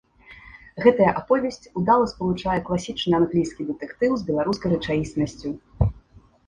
Гэтая аповесць удала спалучае класічны англійскі дэтэктыў з беларускай рэчаіснасцю.